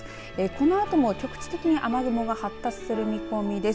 このあとも局地的に雨雲が発達する見込みです。